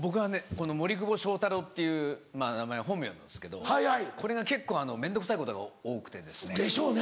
この森久保祥太郎っていう名前は本名なんですけどこれが結構面倒くさいことが多くて。でしょうね。